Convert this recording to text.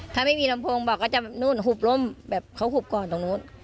ถ้าไม่มีลำโพงบอกก็จะแบบนู่นหุบร่มแบบเขาหุบก่อนตรงนู้น